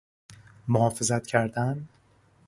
محافظت کردن